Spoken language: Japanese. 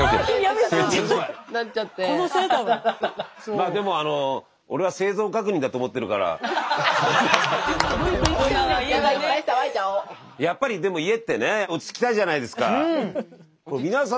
まあでもやっぱりでも家ってね落ち着きたいじゃないですか。